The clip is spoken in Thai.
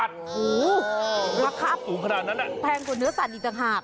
คุณสนองขนาดนั้นแพงกว่าเนื้อสัตว์ดีจังหลัก